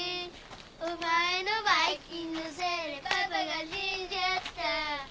お前のばい菌のせいでパパが死んじゃった。